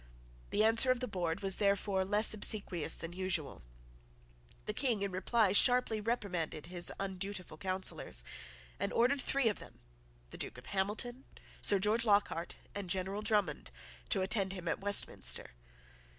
The answer of the board was, therefore, less obsequious than usual. The King in reply sharply reprimanded his undutiful Councillors, and ordered three of them, the Duke of Hamilton, Sir George Lockhart, and General Drummond, to attend him at Westminster.